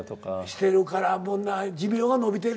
してるから寿命は延びてる。